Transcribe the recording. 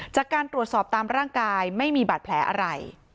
จากการตรวจสอบตามร่างกายไม่มีบาดแผลอะไร